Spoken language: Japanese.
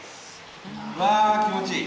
わ気持ちいい！